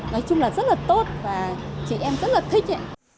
nói chung là rất là tốt và chị em rất là thích